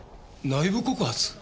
内部告発？